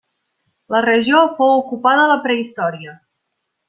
La regió fou ocupada a la prehistòria.